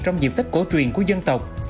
trong dịp tết cổ truyền của dân tộc